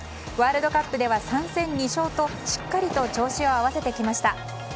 ワールドカップでは３戦２勝としっかりと調子を合わせてきました。